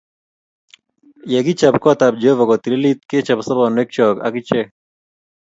Ye kichab kot ab Jehova kotilit, kechob sobonwek chok akichek